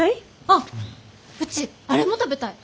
あっうちあれも食べたい。